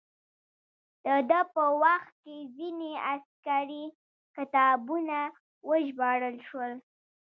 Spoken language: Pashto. د ده په وخت کې ځینې عسکري کتابونه وژباړل شول.